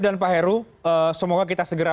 dan pak heru semoga kita segera